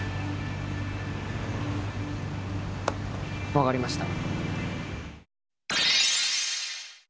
分かりました！